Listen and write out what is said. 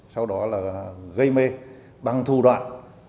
sau đó là gây mê bằng thủ đoạn